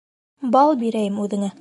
Бал бирәйем үҙеңә